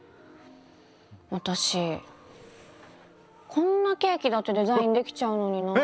私こんなケーキだってデザインできちゃうのになぁ。